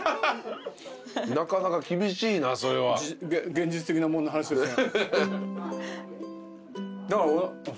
現実的なもんの話ですね。